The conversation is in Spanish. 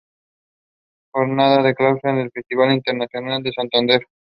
Jornada de Clausura del Festival Internacional de Santander.